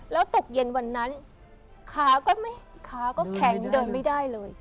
แล้วตกเย็นวันนั้นขาก็ไม่ขาก็แข็งเดินไม่ได้เลย